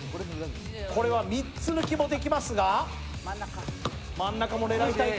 これは３つ抜きもできますが、真ん中も狙いたいか。